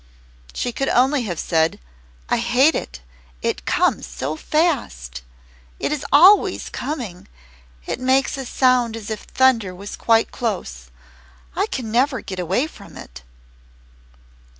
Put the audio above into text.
She could only have said, "I hate it. It comes so fast. It is always coming. It makes a sound as if thunder was quite close. I can never get away from it."